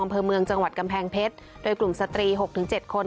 อำเภอเมืองจังหวัดกำแพงเพชรโดยกลุ่มสตรี๖๗คน